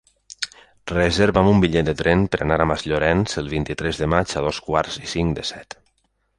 Reserva'm un bitllet de tren per anar a Masllorenç el vint-i-tres de maig a dos quarts i cinc de set.